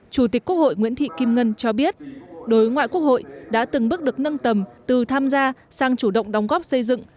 chủ tịch quốc hội nguyễn thị kim ngân cho biết đối ngoại quốc hội đã từng bước được nâng tầm từ tham gia sang chủ động đóng góp xây dựng